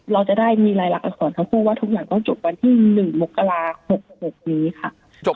เราจะได้มีรายลักษรทั้งคู่ว่าทุกอย่างต้องจบวันที่๑มกรา๖๖นี้ค่ะ